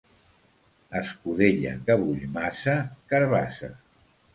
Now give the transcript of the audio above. Escudella que bull massa, carabassa.